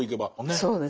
そうです。